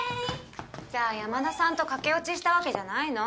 じゃあ山田さんと駆け落ちしたわけじゃないの？